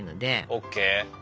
ＯＫ。